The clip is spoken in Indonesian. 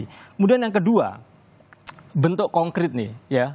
kemudian yang kedua bentuk konkret nih ya